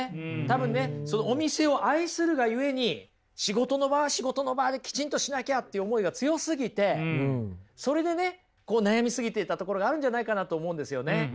多分ねそのお店を愛するがゆえに仕事の場は仕事の場できちんとしなきゃって思いが強すぎてそれでね悩みすぎていたところがあるんじゃないかなと思うんですよね。